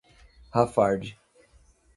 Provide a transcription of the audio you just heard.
Rafard